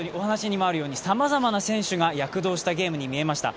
さまざまな選手が躍動したゲームにも見えました。